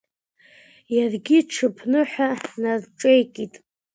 Иаргьы иҽԥныҳәа нарҿеикит.